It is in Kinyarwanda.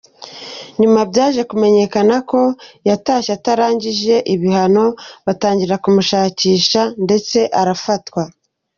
Nyuma byaje kumenyekana ko yatashye atarangije ibihano, batangira kumushakisha ndetse arafatwa.